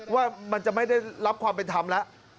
ว่ามันจะไม่ได้รับความเป็นธรรมแล้ว